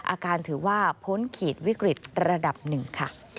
ถือว่าพ้นขีดวิกฤตระดับหนึ่งค่ะ